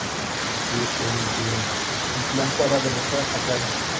Así, Po idea un plan para derrotar a Kai.